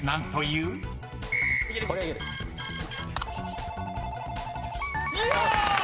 うわ！